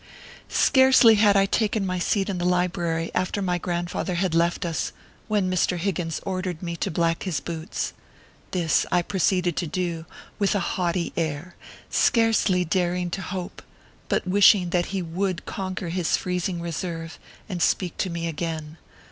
Scarcely had I taken my seat in the library after my grandfather had left us, when Mr. Higgins ordered me to black his boots. This I proceeded to do with a haughty air, scarcely daring to hope, but wishing that he would conquer his freezing reserve, and speak to me again.